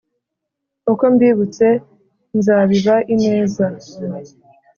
uko mbibutse nzabiba ineza